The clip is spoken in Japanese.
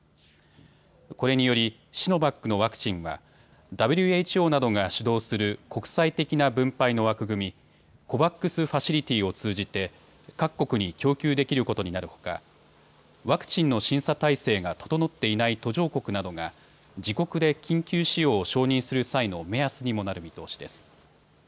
これによりシノバックのワクチンはＷＨＯなどが主導する国際的な分配の枠組み、ＣＯＶＡＸファシリティを通じて各国に供給できることになるほかワクチンの審査体制が整っていない途上国などが自国で緊急使用を承認する際の目安にもなる見通しです。